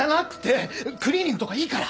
クリーニングとかいいから！